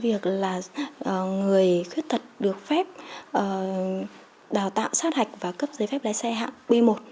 việc là người khuyết tật được phép đào tạo sát hạch và cấp giấy phép lái xe hạng b một